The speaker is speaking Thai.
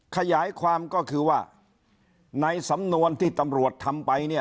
ขยายความก็คือว่าในสำนวนที่ตำรวจทำไปเนี่ย